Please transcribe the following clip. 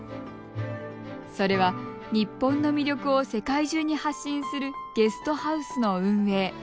それは、日本の魅力を世界中に発信するゲストハウスの運営。